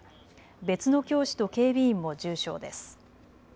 別の教師と警備員も重傷です。